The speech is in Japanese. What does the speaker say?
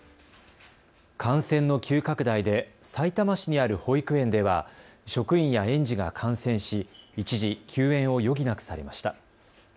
感染の急拡大でさいたま市にある保育園では職員や園児が感染し一時、休園を余儀なくされました。